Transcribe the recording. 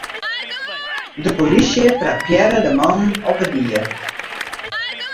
De polysje trappearre de mannen op 'e die.